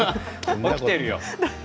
起きているよ。